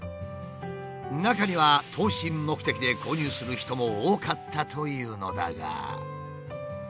中には投資目的で購入する人も多かったというのだが。